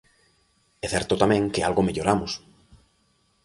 É certo tamén que algo melloramos.